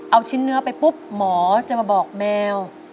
เอาชิ้นเนื้อไปปุ๊บหมอจะมาบอกแมว